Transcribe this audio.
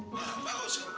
bagus beresin ya